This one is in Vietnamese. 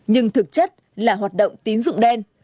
nhưng thực chất là hoạt động tín dụng đen